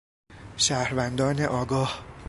شهروندان آگاه